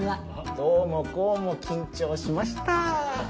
どうもこうも緊張しました。